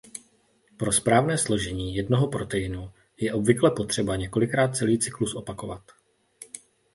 Pro správné složení jednoho proteinu je obvykle potřeba několikrát celý cyklus opakovat.